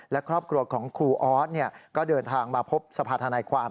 และครอบครัวของครูออสก็เดินทางมาพบสภาธนายความ